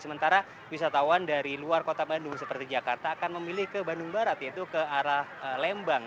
sementara wisatawan dari luar kota bandung seperti jakarta akan memilih ke bandung barat yaitu ke arah lembang